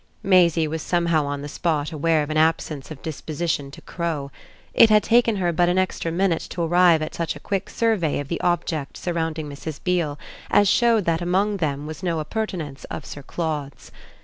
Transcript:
'" Maisie was somehow on the spot aware of an absence of disposition to crow; it had taken her but an extra minute to arrive at such a quick survey of the objects surrounding Mrs. Beale as showed that among them was no appurtenance of Sir Claude's.